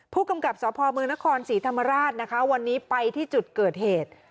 ผู้กำกับสพมนครศรีธรรมราชนะคะวันนี้ไปที่จุดเกิดเหตุ